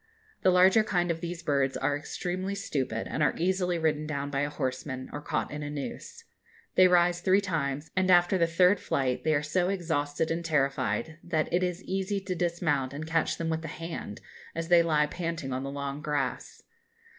The larger kind of these birds are extremely stupid, and are easily ridden down by a horseman, or caught in a noose. They rise three times, and after the third flight they are so exhausted and terrified that it is easy to dismount and catch them with the hand, as they lie panting on the long grass.